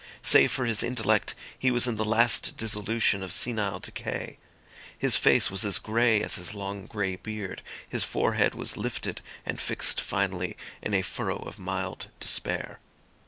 Save for his intellect, he was in the last dissolution of senile decay. His face was as grey as his long grey beard, his forehead was lifted and fixed finally in a furrow of mild despair.